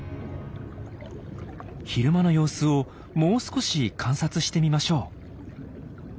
昼間の様子をもう少し観察してみましょう。